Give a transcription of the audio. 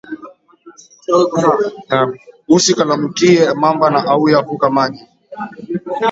Usi kalamukiye mamba na auya vuka maji